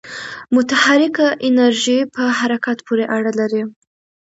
متحرک انرژی په حرکت پورې اړه لري.